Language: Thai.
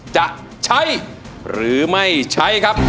จะใช้หรือไม่ใช้ครับ